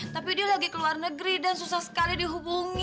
tapi dia lagi keluar negeri dan susah sekali dihubungi